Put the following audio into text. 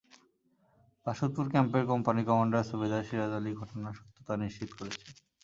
বাসুদপুর ক্যাম্পের company commander সুবেদার সিরাজ আলী ঘটনার সত্যতা নিশ্চিত করেছেন।